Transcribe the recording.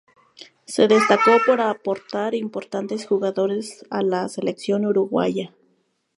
Se destacó por aportar importantes jugadores a la selección uruguaya.